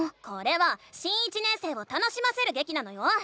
これは新１年生を楽しませるげきなのよ！